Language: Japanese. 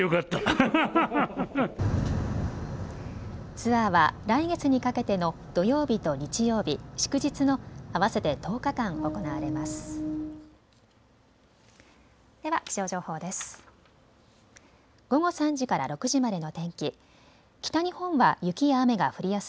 ツアーは来月にかけての土曜日と日曜日、祝日の合わせて１０日間行われます。